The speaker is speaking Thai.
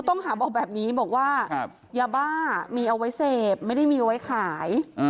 ต้องหาบอกแบบนี้บอกว่ายาบ้ามีเอาไว้เสพไม่ได้มีไว้ขาย